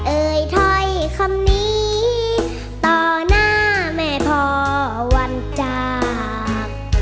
เอ่ยถ้อยคำนี้ต่อหน้าแม่ทอวันจาก